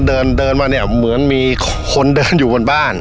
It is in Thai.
เดินเดินมาเนี่ยเหมือนมีคนเดินอยู่บนบ้าน